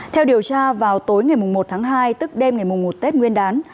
theo điều tra vào tối ngày một tháng hai tức đêm ngày một tết nguyên đán